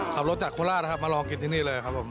ขับรถจากครัวราชมาลองกินที่นี่เลยครับผม